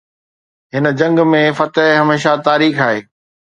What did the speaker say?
هن جنگ ۾ فتح هميشه تاريخ آهي.